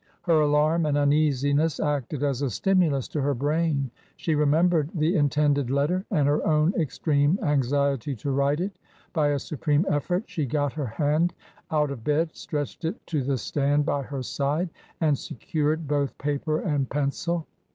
Her alarm and uneasiness acted as a stimulus to her brain ; she remembered the intended letter and her own extreme anxiety to write it. By a supreme effort she got her hand out of bed, stretched it to the stand by her side, and secured both paper and pencil.